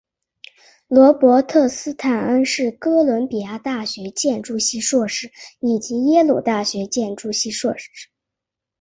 罗伯特斯坦恩是哥伦比亚大学建筑系硕士以及耶鲁大学建筑系的硕士。